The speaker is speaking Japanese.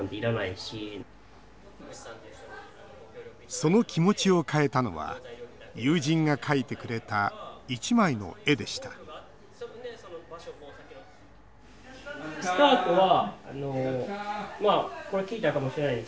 その気持ちを変えたのは友人が描いてくれた一枚の絵でした実物が見れるなんて！